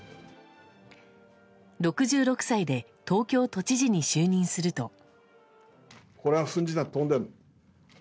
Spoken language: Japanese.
６６歳で東京都知事に就任すると。